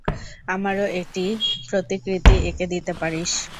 আমারও একটা প্রতিকৃতি এঁকে দিতে পারিস।